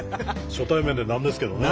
初対面で何ですけどね。